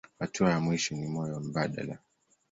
Hatua ya mwisho ni moyo mbadala.